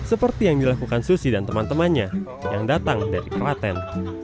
seperti yang dilakukan susi dan teman temannya yang datang dari klaten